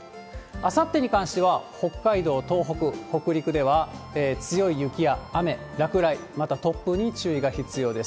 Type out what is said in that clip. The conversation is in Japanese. あさってに関しては、北海道、東北、北陸では、強い雪や雨、落雷、また突風に注意が必要です。